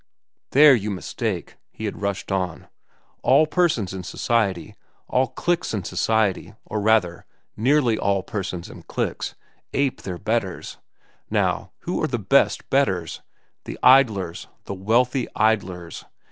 "There, you mistake," he had rushed on. "All persons in society, all cliques in society—or, rather, nearly all persons and cliques—ape their betters. Now, who are the best betters? The idlers, the wealthy idlers.